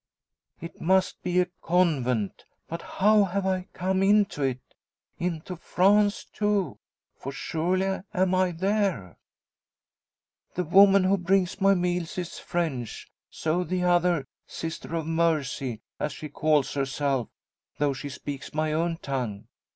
"It must be a convent! But how have I come into it? Into France, too; for surely am I there? The woman who brings my meals is French. So the other Sister of Mercy, as she calls herself, though she speaks my own tongue.